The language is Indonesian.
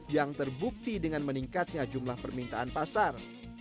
yang terbukti dengan meningkatnya jumlah permintaan pasar